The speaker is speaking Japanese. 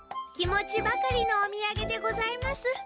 気持ちばかりのおみやげでございます。